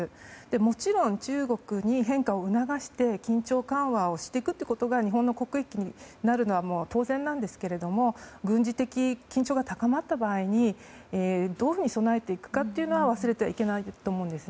もちろん中国に変化を促して緊張緩和をしていくということが日本の国益になるのは当然ですが軍事的緊張が高まった場合にどういうふうに備えていくかというのは忘れてはいけないと思うんです。